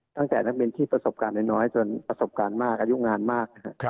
นักบินที่ประสบการณ์น้อยจนประสบการณ์มากอายุงานมากนะครับ